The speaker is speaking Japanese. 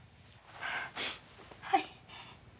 はい。